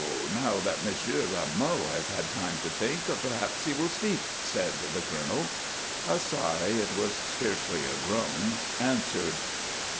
Now that Monsieur Rameau has had time to think, perhaps he will speak," said the colonel. A sigh, it was scarcely a groan, answered.